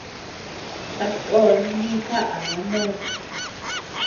Sakón ninkaʼa noos.